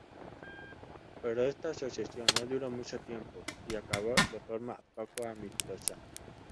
Pero esta asociación no duró mucho tiempo y acabó de forma poco amistosa.